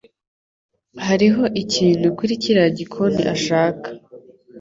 Hariho ikintu kuri kiriya gikoni ashaka.